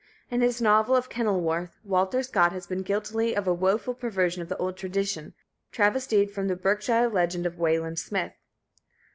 In his novel of Kenilworth, Walter Scott has been guilty of a woeful perversion of the old tradition, travestied from the Berkshire legend of Wayland Smith.